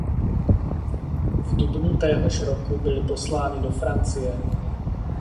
V dubnu téhož roku byly poslány do Francie.